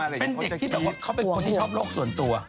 เป็นเด็กที่แบบว่าเขาเป็นคนที่ชอบโลกส่วนตัว